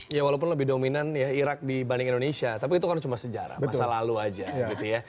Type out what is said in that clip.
ya walaupun lebih dominan ya irak dibanding indonesia tapi itu kan cuma sejarah masa lalu aja gitu ya